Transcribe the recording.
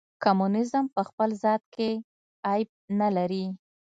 کمونیزم په خپل ذات کې عیب نه لري.